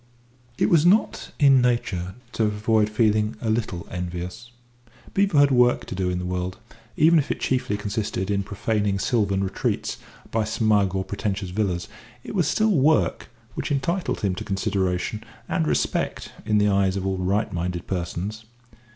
It was not in Nature to avoid feeling a little envious. Beevor had work to do in the world: even if it chiefly consisted in profaning sylvan retreats by smug or pretentious villas, it was still work which entitled him to consideration and respect in the eyes of all right minded persons.